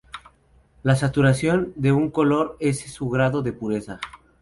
La saturación de un color es su grado de pureza.